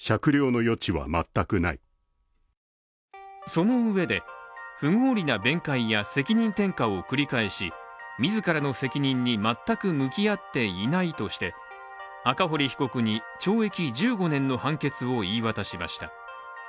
そのうえで、不合理な弁解や責任転嫁を繰り返し自らの責任に全く向き合っていないとして赤堀被告に懲役１５年の判決を言い渡しました。